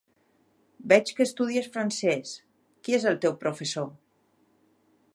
Veig que estudies francès; qui és el teu professor?